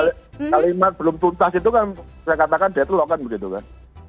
kalimat belum tuntas itu kan saya katakan deadlock kan begitu kan